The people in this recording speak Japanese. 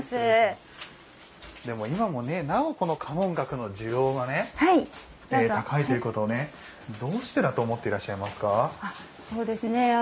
今もなお、家紋額の需要が高いということをどうしてだと思っていらっしゃいますか？